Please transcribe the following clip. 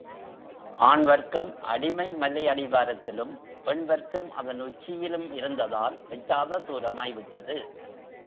ஆண் வர்க்கம் அடிமை மலையடிவாரத்திலும், பெண் வர்க்கம் அதன் உச்சியிலும் இருந்ததால் எட்டாத தூரமாய்விட்டது.